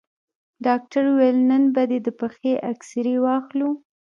ډاکتر وويل نن به دې د پښې اكسرې واخلو.